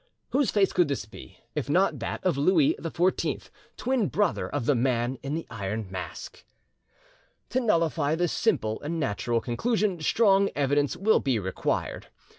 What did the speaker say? Whose face could this be, if not that of Louis XVI, twin brother of the Man in the Iron Mask? To nullify this simple and natural conclusion strong evidence will be required.